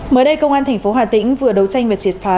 mới đây công an tp hòa tĩnh vừa đấu tranh và triệt phá